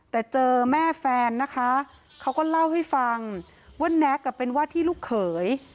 แต่เจอแม่แฟนนะคะเขาก็เล่าให้ฟังว่าแน็กเป็นว่าที่ลูกเขย